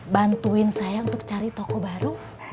bantuin saya untuk cari toko baru